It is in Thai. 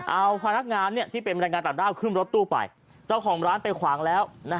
เอาพนักงานที่เป็นแรงงานต่างด้าวขึ้นรถตู้ไปเจ้าของร้านไปขวางแล้ว